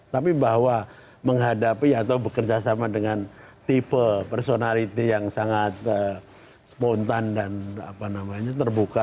tapi bahwa menghadapi atau bekerja sama dengan tipe personality yang sangat spontan dan apa namanya terbuka